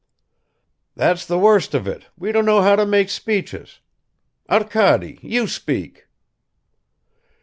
. That's the worst of it, we don't know how to make speeches. Arkady, you speak."